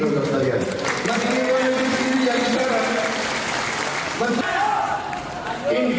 terima kasih banyak yang disini yang sering bersama